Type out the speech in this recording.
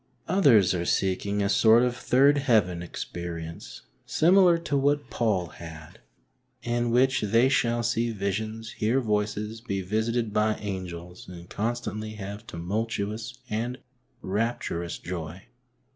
Others are seeking a sort of third heaven '' experience, similar to what Paul had, in which they shall see visions, hear voices, be visited by angels and constantly have tumultuous and rapturous joy.